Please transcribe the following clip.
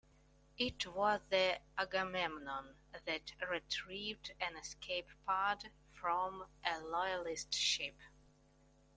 It was the "Agamemnon" that retrieved an escape pod from a loyalist ship.